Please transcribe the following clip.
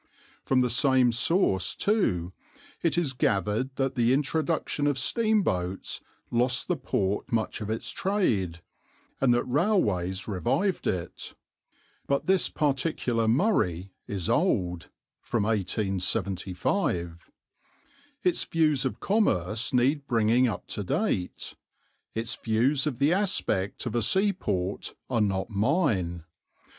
From the same source, too, it is gathered that the introduction of steamboats lost the port much of its trade, and that railways revived it. But this particular "Murray" is old (1875). Its views of commerce need bringing up to date; its views of the aspect of a seaport are not mine.